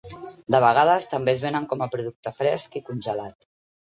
De vegades, també es venen com a producte fresc i congelat.